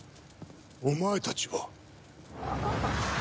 お前たちは！